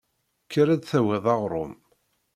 Kker ad d-tawiḍ aɣrum.